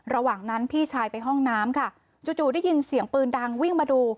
ระหว่างนั้นพี่ชายไปห้องน้ำค่ะจู่ได้ยินเสียงปืนดังวิ่งมาดู